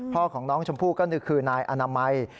พ่อของน้องชมพู่ก็คือนายอนามัย